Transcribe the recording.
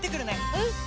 うん！